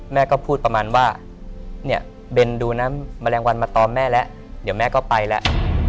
แม่ก็พูดประมาณว่าเนี่ยเบนดูน้ำแมลงวันมาตอมแม่แล้วเดี๋ยวแม่ก็ไปแล้ว